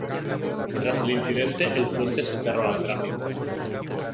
Tras el incendio el puente se cerró al tráfico.